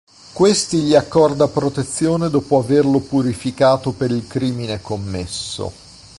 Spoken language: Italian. Questi gli accorda protezione dopo averlo purificato per il crimine commesso.